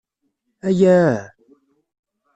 Ayaa!